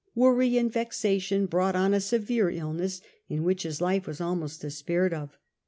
Worry and vexation brought on a severe illness, in which his life was almost despaired of.